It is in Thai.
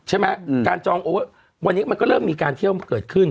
ใช่ไหมการจองโอเวอร์วันนี้มันก็เริ่มมีการเที่ยวเกิดขึ้น